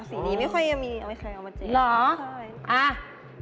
สีดีไม่ค่อยยังมีเอาให้ใครเอามาแจกค่ะใช่หรออ่ะ